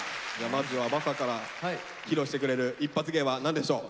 まずはヴァサから披露してくれるイッパツ芸は何でしょう？